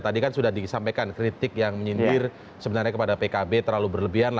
tadi kan sudah disampaikan kritik yang menyindir sebenarnya kepada pkb terlalu berlebihan